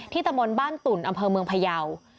ตะมนต์บ้านตุ่นอำเภอเมืองพยาว